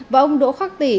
và ông đỗ khắc tỉ